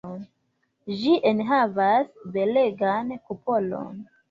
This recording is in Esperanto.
Ĝi enhavas belegan kupolon.